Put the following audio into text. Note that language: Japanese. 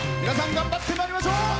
皆さん頑張ってまいりましょう！